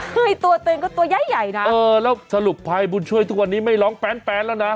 คือตัวตัวเองก็ตัวใหญ่นะเออแล้วสรุปภัยบุญช่วยทุกวันนี้ไม่ร้องแป้นแล้วนะ